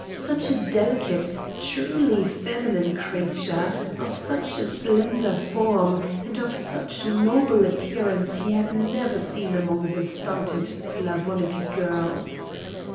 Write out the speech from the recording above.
Such a delicate, truly feminine creature, of such a slender form, and of such noble appearance he had never seen among the stunted Slavonic girls.